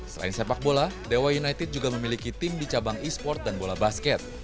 selain sepak bola dewa united juga memiliki tim di cabang e sport dan bola basket